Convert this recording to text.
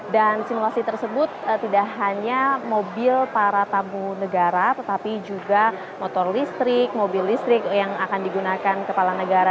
dan simulasi tersebut tidak hanya mobil para tamu negara tetapi juga motor listrik mobil listrik yang akan digunakan kepala negara